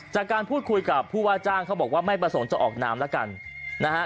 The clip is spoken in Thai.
จากการพูดคุยกับผู้ว่าจ้างเขาบอกว่าไม่ประสงค์จะออกน้ำแล้วกันนะฮะ